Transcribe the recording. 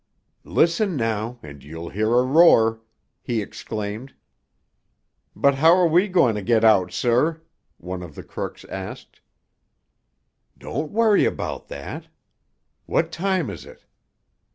"Listen now, and you'll hear a roar!" he exclaimed. "But how are we goin' to get out, sir?" one of the crooks asked. "Don't worry about that. What time is it?"